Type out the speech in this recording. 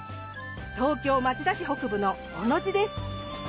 東京町田市北部の小野路です。